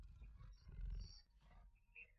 matamu yote duniani yasiyo barafu Ziwa kubwa